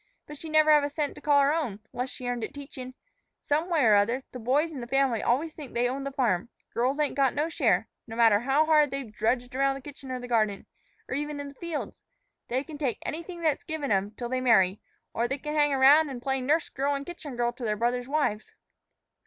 But she'd never have a cent to call her own 'less she earned it teachin'. Some way or other, the boys in a family always think they own the farm; girls ain't got no share, no matter how hard they've drudged around the kitchen or the garden, or even in the fields. They can take anything that's given 'em till they marry; or they can hang around an' play nurse girl an' kitchen girl to their brothers' wives."